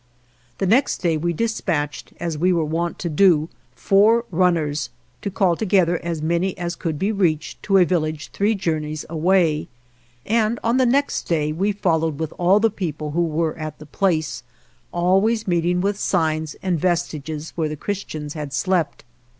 The next day we dispatched (as we were wont to do) 164 ALVAR NUNEZ CABEZA DE VACA four runners, to call together as many as could be reached, to a village three journeys away ; and on the next day we followed with all the people that were at the place, always meeting with signs, and vestiges where the Christians had slept.